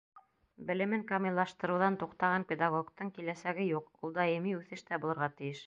Белемен камиллаштырыуҙан туҡтаған педагогтың киләсәге юҡ, ул даими үҫештә булырға тейеш.